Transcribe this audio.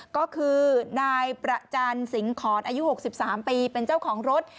ก็คือนายประจันสิงหอนอายุ๖๓ปีเป็นเจ้าของรถ